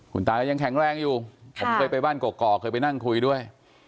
คุณตาก็ยังแข็งแรงอยู่ผมเคยไปบ้านกอกเคยไปนั่งคุยด้วย